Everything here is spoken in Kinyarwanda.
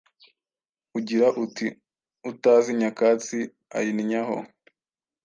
ugira uti ‘utazi nyakatsi ayinnyaho!’